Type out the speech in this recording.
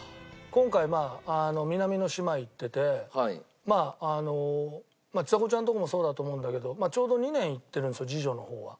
今回まあ南の島行っててまあちさ子ちゃんとこもそうだと思うんだけどちょうど２年行ってるんですよ次女の方は。